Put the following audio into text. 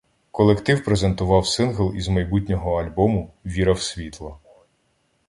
колектив презентував сингл із майбутнього альбому "Віра в Світло"